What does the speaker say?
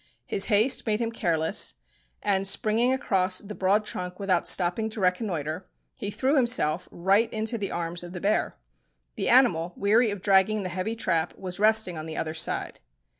His haste made him careless, and springing across the broad trunk without stopping to reconnoitre, he threw himself right into the arms of the bear. The animal, weary of dragging the heavy trap, was resting on the other side.